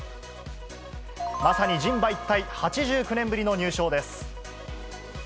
まさに人馬一体、８９年ぶりの入賞です。